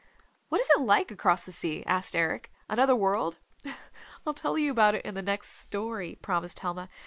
"What is it like across the sea?" asked Eric. "Another world?" "I'll tell you about it in the next story," promised Helma.